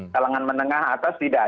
kalangan menengah atas tidak